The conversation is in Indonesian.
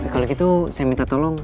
kalau gitu saya minta tolong